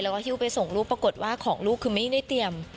แล้วก็ฮิ้วไปส่งลูกปรากฏว่าของลูกคือไม่ได้เตรียม